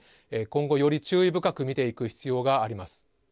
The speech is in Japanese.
今後、より注意深く見ていく必要があります。